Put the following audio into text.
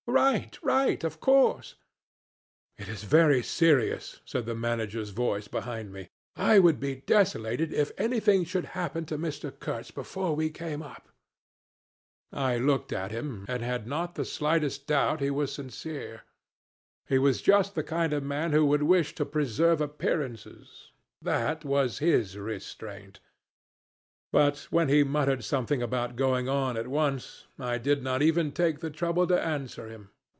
Right, right, of course.' 'It is very serious,' said the manager's voice behind me; 'I would be desolated if anything should happen to Mr. Kurtz before we came up.' I looked at him, and had not the slightest doubt he was sincere. He was just the kind of man who would wish to preserve appearances. That was his restraint. But when he muttered something about going on at once, I did not even take the trouble to answer him.